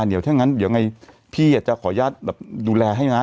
เดี๋ยวถ้างั้นเดี๋ยวไงพี่จะขออนุญาตแบบดูแลให้นะ